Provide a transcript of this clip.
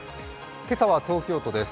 今朝は東京都です。